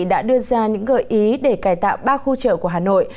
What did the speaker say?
đã đưa ra những gợi ý để cải tạo ba khu chợ của hà nội